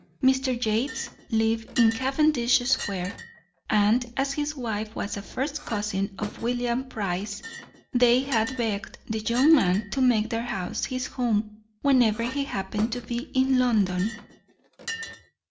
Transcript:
Mr. Yates lived in Cavendish Square, and as his wife was a first cousin of William Price's, they had begged the young man to make their house his home whenever he happened to be in London.